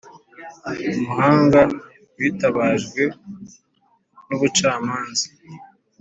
umuhanga witabajwe n ubucamanza